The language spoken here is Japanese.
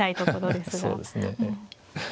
そうですね。